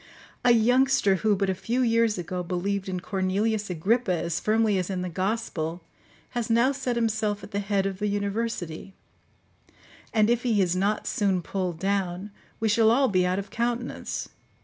A youngster who, but a few years ago, believed in Cornelius Agrippa as firmly as in the gospel, has now set himself at the head of the university; and if he is not soon pulled down, we shall all be out of countenance.